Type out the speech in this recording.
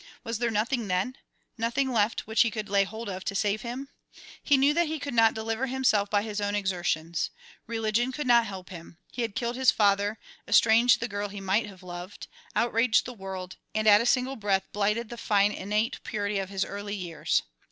Was there nothing, then nothing left which he could lay hold of to save him? He knew that he could not deliver himself by his own exertions. Religion could not help him, he had killed his father, estranged the girl he might have loved, outraged the world, and at a single breath blighted the fine innate purity of his early years.